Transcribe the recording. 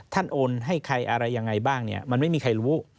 โอนให้ใครอะไรยังไงบ้างเนี่ยมันไม่มีใครรู้